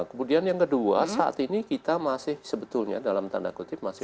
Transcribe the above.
kemudian yang kedua saat ini kita masih sebetulnya dalam tanda kutip masih